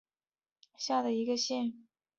常春县是越南清化省下辖的一个县。